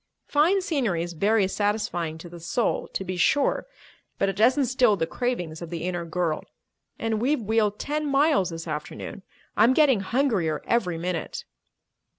Fine scenery is very satisfying to the soul, to be sure, but it doesn't still the cravings of the inner girl. And we've wheeled ten miles this afternoon. I'm getting hungrier every minute."